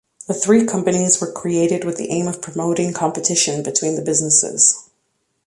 The three companies were created with the aim of promoting competition between the businesses.